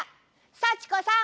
幸子さん